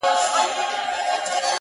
• تر غرمي پوري یې وکړله تاختونه -